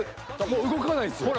［もう動かないっすよ］